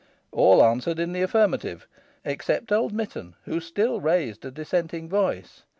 All answered in the affirmative except old Mitton, who still raised a dissenting voice.